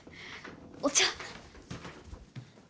お茶